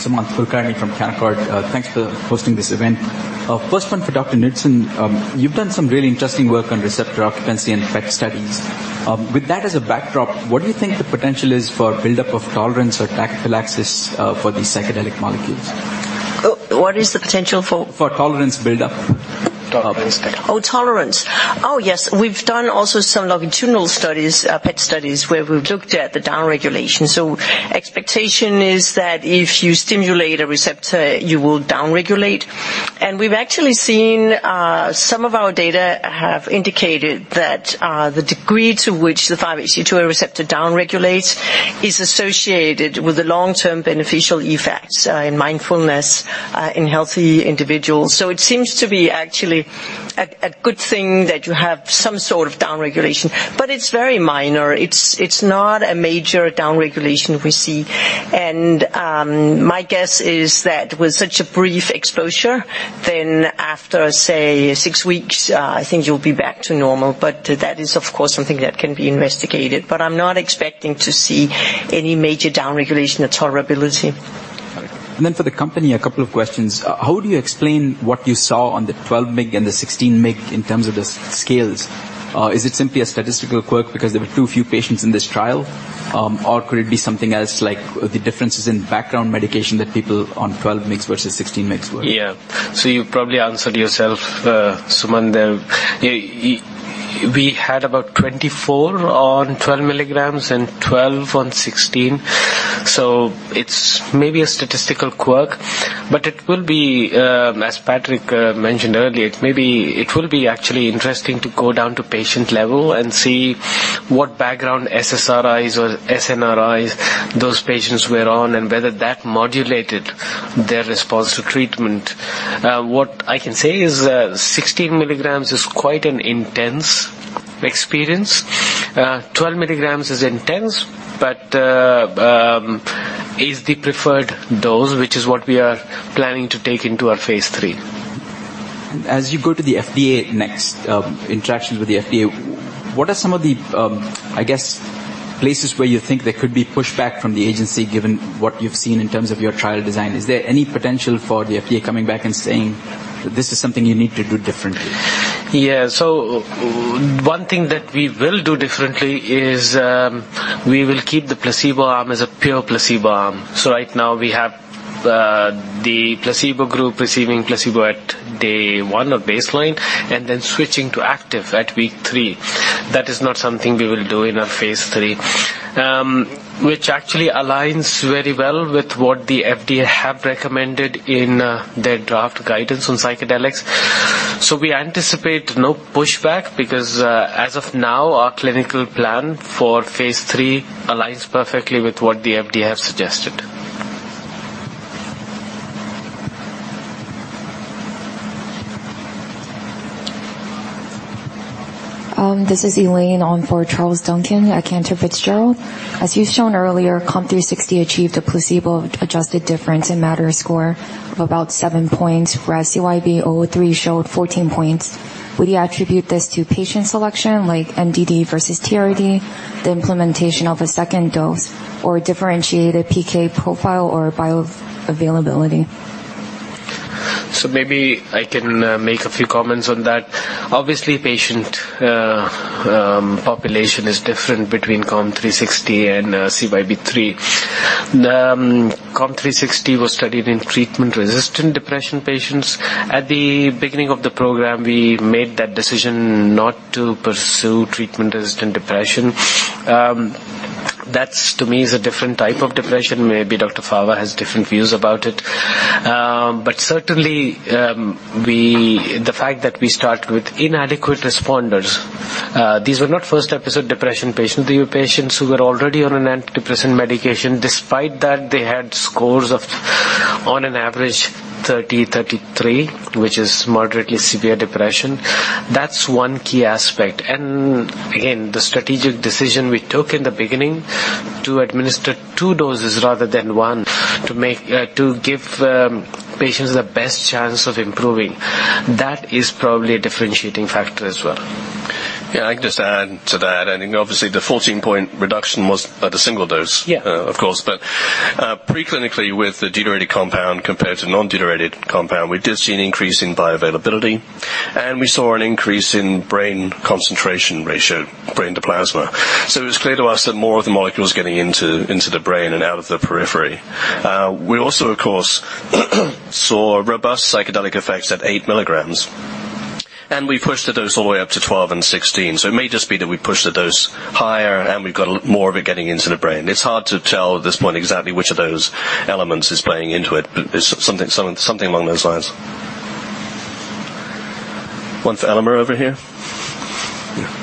Sumanth Kulkarni from Canaccord. Thanks for hosting this event. First one for Dr. Knudsen. You've done some really interesting work on receptor occupancy and effect studies. With that as a backdrop, what do you think the potential is for buildup of tolerance or tachyphylaxis for these psychedelic molecules? Oh, what is the potential for? For tolerance buildup. Tolerance buildup. Oh, tolerance. Oh, yes. We've done also some longitudinal studies, PET studies, where we've looked at the downregulation. So expectation is that if you stimulate a receptor, you will downregulate. And we've actually seen, some of our data have indicated that the degree to which the 5-HT2A receptor downregulates is associated with the long-term beneficial effects in mindfulness in healthy individuals. So it seems to be actually a good thing that you have some sort of downregulation, but it's very minor. It's not a major downregulation we see. And, my guess is that with such a brief exposure, then after, say, six weeks, I think you'll be back to normal. But that is, of course, something that can be investigated, but I'm not expecting to see any major downregulation or tolerability. Then for the company, a couple of questions. How do you explain what you saw on the 12 mg and the 16 mg in terms of the scales? Is it simply a statistical quirk because there were too few patients in this trial? Or could it be something else, like the differences in background medication that people on 12 mg versus 16 mg were? Yeah. So you probably answered yourself, Sumanth, there. We had about 24 on 12 mg and 12 on 16 mg, so it's maybe a statistical quirk, but it will be, as Patrick mentioned earlier, it may be it will be actually interesting to go down to patient level and see what background SSRIs or SNRIs those patients were on and whether that modulated their response to treatment. What I can say is that 16 mg is quite an intense experience, 12 mg is intense, but is the preferred dose, which is what we are planning to take into our phase III. As you go to the FDA next, interaction with the FDA, what are some of the, I guess, places where you think there could be pushback from the agency, given what you've seen in terms of your trial design? Is there any potential for the FDA coming back and saying, this is something you need to do differently? Yeah. So one thing that we will do differently is, we will keep the placebo arm as a pure placebo arm. So right now, we have, the placebo group receiving placebo at day one or baseline, and then switching to active at week three. That is not something we will do in our phase III, which actually aligns very well with what the FDA have recommended in their draft guidance on psychedelics. So we anticipate no pushback because, as of now, our clinical plan for phase III aligns perfectly with what the FDA have suggested. This is Elaine on for Charles Duncan at Cantor Fitzgerald. As you've shown earlier, COMP360 achieved a placebo-adjusted difference in MADRS score of about 7 points, whereas CYB003 showed 14 points. Would you attribute this to patient selection, like MDD versus TRD, the implementation of a second dose, or differentiated PK profile or bioavailability? So maybe I can make a few comments on that. Obviously, patient population is different between COMP360 and CYB003. COMP360 was studied in treatment-resistant depression patients. At the beginning of the program, we made that decision not to pursue treatment-resistant depression. That, to me, is a different type of depression. Maybe Dr. Fava has different views about it. But certainly, the fact that we started with inadequate responders, these were not first-episode depression patients. They were patients who were already on an antidepressant medication. Despite that, they had scores of, on an average, 30, 33, which is moderately severe depression. That's one key aspect. And again, the strategic decision we took in the beginning to administer two doses rather than one, to make to give patients the best chance of improving, that is probably a differentiating factor as well. Yeah, I can just add to that. I think obviously the 14-point reduction was at a single dose, of course. Yeah. But preclinically, with the deuterated compound compared to non-deuterated compound, we did see an increase in bioavailability, and we saw an increase in brain concentration ratio, brain to plasma. So it was clear to us that more of the molecule was getting into the brain and out of the periphery. We also, of course, saw robust psychedelic effects at 8 mg, and we pushed the dose all the way up to 12 mg and 16 mg. So it may just be that we pushed the dose higher, and we got more of it getting into the brain. It's hard to tell at this point exactly which of those elements is playing into it, but it's something along those lines. One for Amir over here.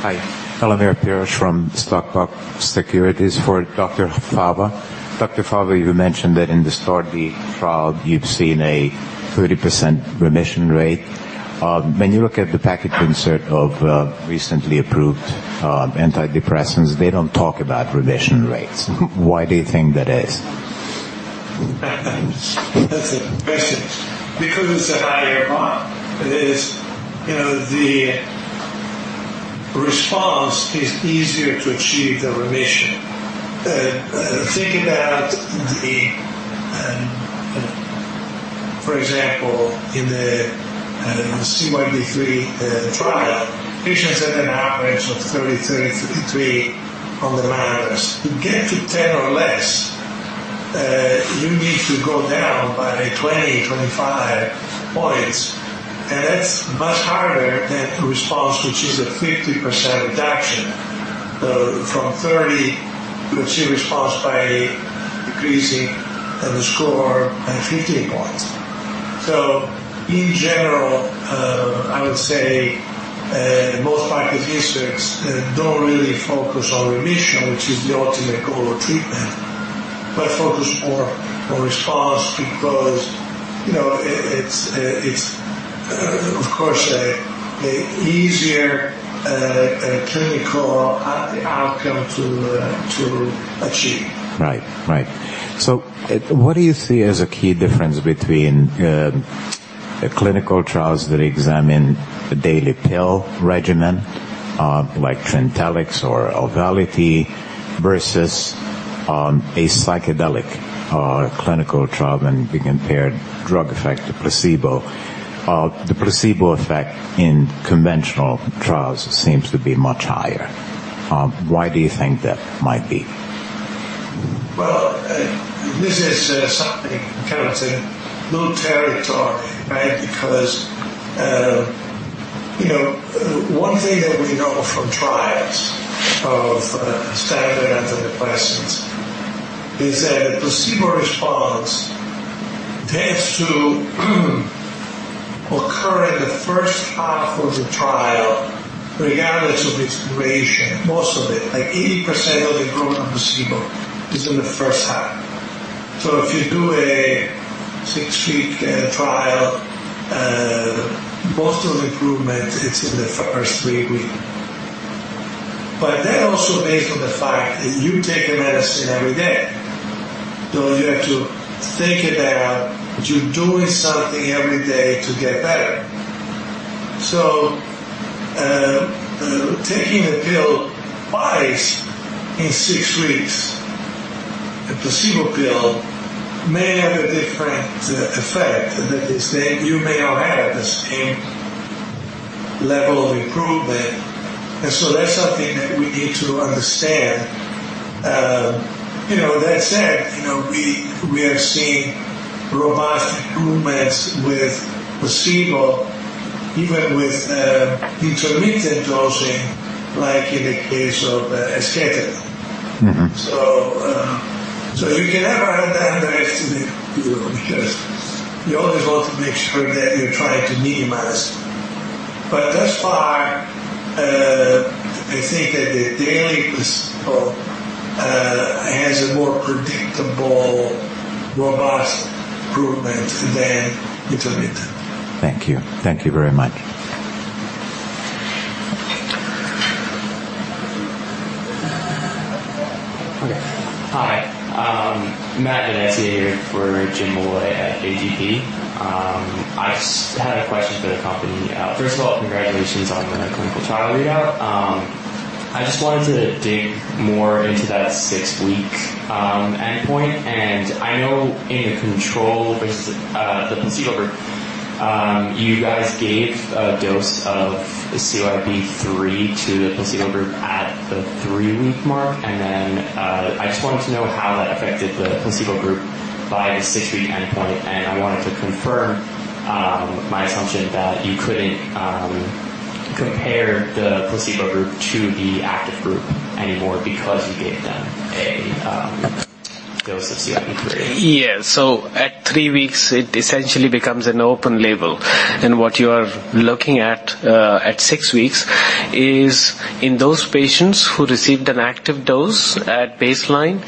Hi, Amir Tirosh from Stockbox Securities. For Dr. Fava. Dr. Fava, you mentioned that in the STAR*D trial, you've seen a 30% remission rate. When you look at the package insert of, recently approved, antidepressants, they don't talk about remission rates. Why do you think that is? That's a great question. Because it's a higher bar. It is. You know, the response is easier to achieve the remission. Think about the, for example, in the the CYB003 trial, patients had an average of 30, 33 on the MADRS. To get to 10 or less, you need to go down by 20, 25 points, and that's much harder than a response, which is a 50% reduction. From 30, you achieve response by decreasing the score by 15 points. So in general, I would say, most pharmacists don't really focus on remission, which is the ultimate goal of treatment, but focus more on response because, you know, it's, of course, a easier clinical outcome to achieve. Right. Right. So what do you see as a key difference between, clinical trials that examine a daily pill regimen, like Trintellix or Auvelity, versus, a psychedelic, clinical trial, and we compare drug effect to placebo? The placebo effect in conventional trials seems to be much higher. Why do you think that might be? Well, this is something kind of it's a new territory, right? Because, you know, one thing that we know from trials of standard antidepressants is that the placebo response tends to occur in the first half of the trial, regardless of its duration. Most of it, like 80% of the improvement of placebo, is in the first half. So if you do a six-week trial, most of the improvement, it's in the first three weeks. But that's also based on the fact that you take a medicine every day. So you have to think about that you're doing something every day to get better. So, taking a pill twice in six weeks, a placebo pill, may have a different effect. That is that you may not have the same level of improvement, and so that's something that we need to understand. You know, that said, you know, we have seen robust improvements with placebo, even with intermittent dosing, like in the case of esketamine. You can never underestimate the placebo, because you always want to make sure that you're trying to minimize. But thus far, I think that the daily placebo has a more predictable, robust improvement than intermittent. Thank you. Thank you very much. Okay. Hi, Matt Vanessa here for Jim Molloy at AGP. I just had a question for the company. First of all, congratulations on the clinical trial readout. I just wanted to dig more into that six-week endpoint, and I know in the control versus the placebo group, you guys gave a dose of CYB003 to the placebo group at the three-week mark, and then I just wanted to know how that affected the placebo group by the six-week endpoint, and I wanted to confirm my assumption that you couldn't compare the placebo group to the active group anymore because you gave them a dose of CYB003. Yeah. So at three weeks, it essentially becomes an open label, and what you are looking at, at 6 weeks, is in those patients who received an active dose at baseline,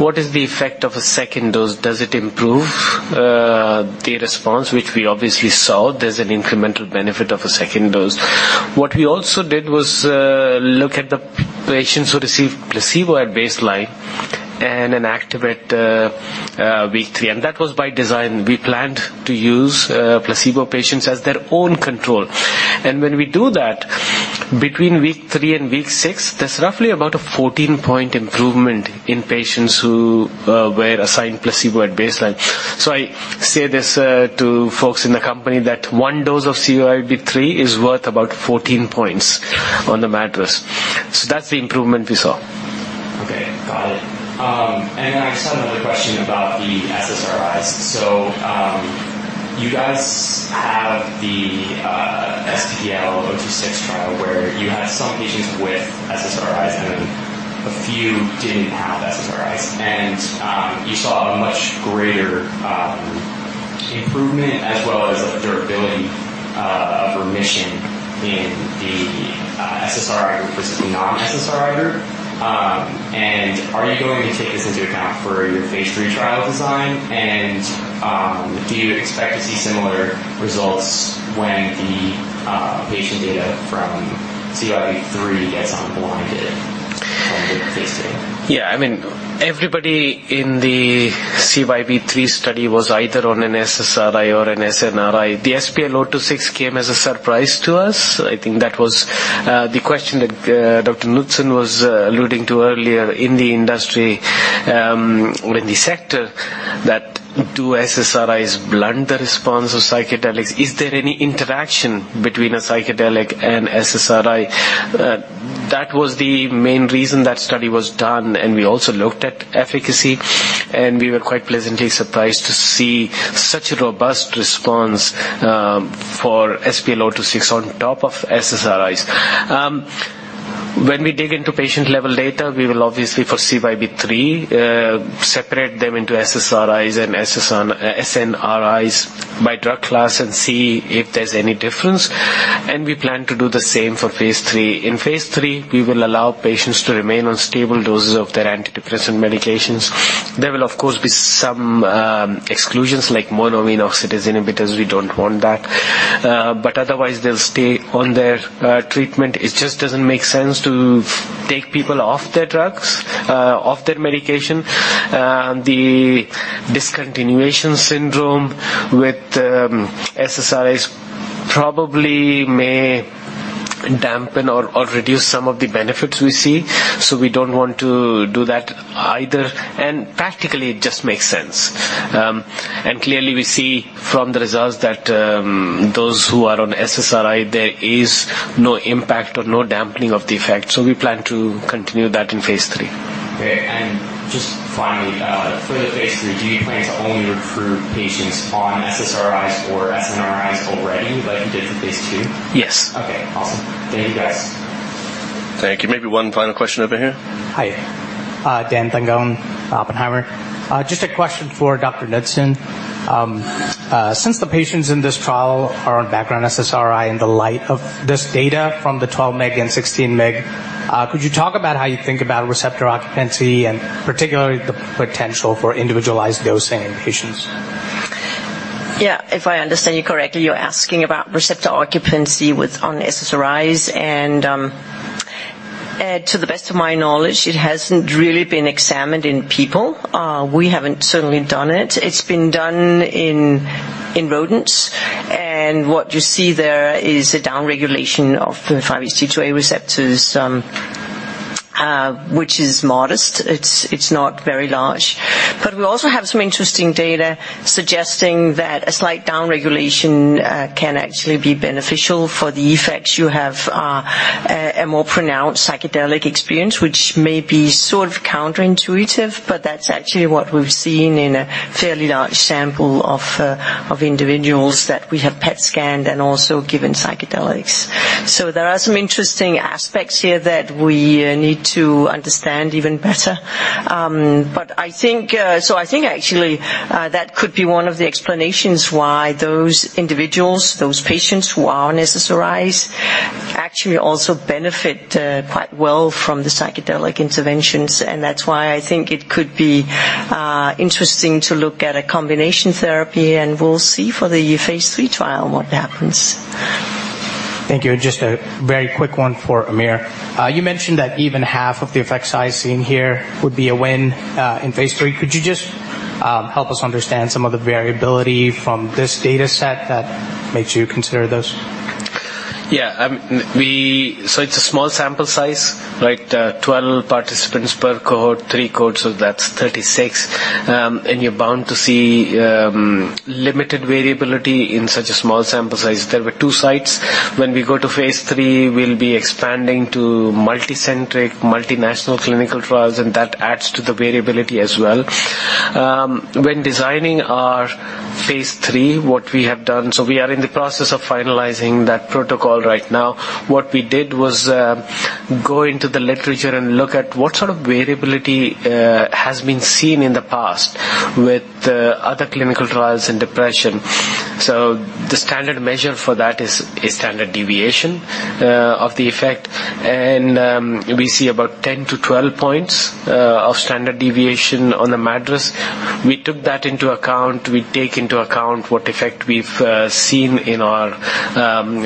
what is the effect of a second dose? Does it improve, the response which we obviously saw? There's an incremental benefit of a second dose. What we also did was look at the patients who received placebo at baseline and an active at, week 3, and that was by design. We planned to use, placebo patients as their own control. And when we do that, between week three and week six, there's roughly about a 14-point improvement in patients who, were assigned placebo at baseline. So I say this, to folks in the company, that one dose of CYB003 is worth about 14 points on the MADRS. That's the improvement we saw. Okay, got it. And then I just had another question about the SSRIs. So, you guys have the SPL026 trial, where you had some patients with SSRIs, and a few didn't have SSRIs. And you saw a much greater improvement as well as a durability of remission in the SSRI versus the non-SSRI group. And are you going to take this into account for your phase III trial design, and do you expect to see similar results when the patient data from CYB003 gets unblinded from the phase III? Yeah, I mean, everybody in the CYB003 study was either on an SSRI or an SNRI. The SPL026 came as a surprise to us. I think that was the question that Dr. Knudsen was alluding to earlier in the industry or in the sector, that do SSRIs blunt the response of psychedelics? Is there any interaction between a psychedelic and SSRI? That was the main reason that study was done, and we also looked at efficacy, and we were quite pleasantly surprised to see such a robust response for SPL026 on top of SSRIs. When we dig into patient level data, we will obviously, for CYB003, separate them into SSRIs and SNRIs by drug class and see if there's any difference, and we plan to do the same for phase III. In phase III, we will allow patients to remain on stable doses of their antidepressant medications. There will, of course, be some exclusions, like monoamine oxidase inhibitors. We don't want that. But otherwise they'll stay on their treatment. It just doesn't make sense to take people off their drugs, off their medication. The discontinuation syndrome with SSRIs probably may dampen or reduce some of the benefits we see, so we don't want to do that either, and practically, it just makes sense. And clearly we see from the results that those who are on SSRI, there is no impact or no dampening of the effect, so we plan to continue that in phase III. Okay, and just finally, for the phase III, do you plan to only recruit patients on SSRIs or SNRIs already, like you did for phase II? Yes. Okay, awesome. Thank you, guys. Thank you. Maybe one final question over here. Hi. Dan Tangone, Oppenheimer. Just a question for Dr. Knudsen. Since the patients in this trial are on background SSRI, in the light of this data from the 12 mg and 16 mg, could you talk about how you think about receptor occupancy and particularly the potential for individualized dosing in patients? Yeah, if I understand you correctly, you're asking about receptor occupancy with on SSRIs, and to the best of my knowledge, it hasn't really been examined in people. We haven't certainly done it. It's been done in rodents, and what you see there is a downregulation of the 5-HT2A receptors, which is modest. It's not very large. But we also have some interesting data suggesting that a slight downregulation can actually be beneficial for the effects. You have a more pronounced psychedelic experience, which may be sort of counterintuitive, but that's actually what we've seen in a fairly large sample of individuals that we have PET scanned and also given psychedelics. So there are some interesting aspects here that we need to understand even better. But I think actually that could be one of the explanations why those individuals, those patients who are on SSRIs, actually also benefit quite well from the psychedelic interventions, and that's why I think it could be interesting to look at a combination therapy, and we'll see for the phase III trial what happens. Thank you. Just a very quick one for Amir. You mentioned that even half of the effect size seen here would be a win in phase III. Could you just help us understand some of the variability from this data set that makes you consider this? Yeah, so it's a small sample size, like 12 participants per cohort, three cohorts, so that's 36. And you're bound to see limited variability in such a small sample size. There were two sites. When we go to phase III, we'll be expanding to multicentric, multinational clinical trials, and that adds to the variability as well. When designing our phase III, what we have done, so we are in the process of finalizing that protocol right now. What we did was go into the literature and look at what sort of variability has been seen in the past with other clinical trials in depression. So the standard measure for that is standard deviation of the effect, and we see about 10 points-12 points of standard deviation on the MADRS. We took that into account. We take into account what effect we've seen in our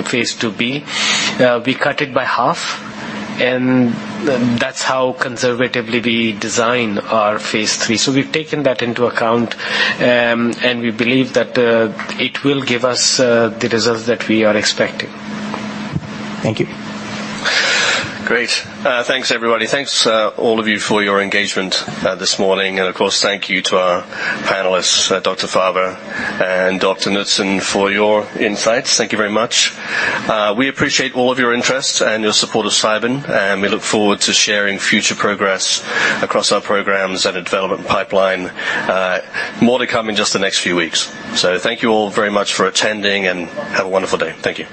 phase II-B. We cut it by half, and that's how conservatively we design our phase III. So we've taken that into account, and we believe that it will give us the results that we are expecting. Thank you. Great. Thanks, everybody. Thanks, all of you, for your engagement this morning. And, of course, thank you to our panelists, Dr. Fava and Dr. Knudsen, for your insights. Thank you very much. We appreciate all of your interest and your support of Cybin, and we look forward to sharing future progress across our programs and the development pipeline. More to come in just the next few weeks. So thank you all very much for attending, and have a wonderful day. Thank you.